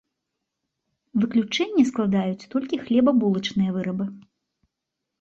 Выключэнне складаюць толькі хлебабулачныя вырабы.